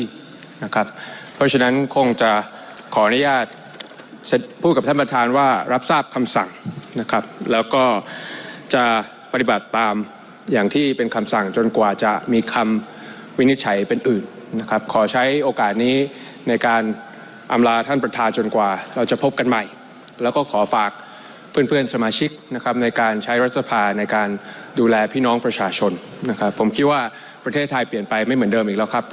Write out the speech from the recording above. หน้าที่นะครับเพราะฉะนั้นคงจะขออนุญาตพูดกับท่านประธานว่ารับทราบคำสั่งนะครับแล้วก็จะปฏิบัติตามอย่างที่เป็นคำสั่งจนกว่าจะมีคำวินิจฉัยเป็นอื่นนะครับขอใช้โอกาสนี้ในการอำลาท่านประธาจนกว่าเราจะพบกันใหม่แล้วก็ขอฝากเพื่อนสมาชิกนะครับในการใช้รัฐสภาในการดูแลพี่น้องประชาชนนะครับผมคิดว่